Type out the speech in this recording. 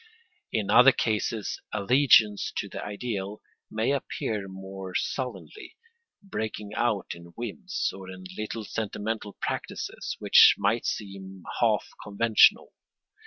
In other cases allegiance to the ideal may appear more sullenly, breaking out in whims, or in little sentimental practices which might seem half conventional.